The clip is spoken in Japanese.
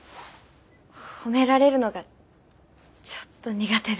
褒められるのがちょっと苦手で。